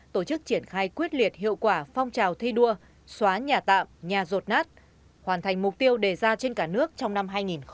tổ chức triển khai quyết liệt hiệu quả phong trào thi đua xóa nhà tạm nhà rột nát hoàn thành mục tiêu đề ra trên cả nước trong năm hai nghìn hai mươi